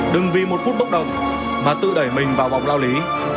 đừng vì một phút bốc động mà tự đẩy mình vào vòng lao lý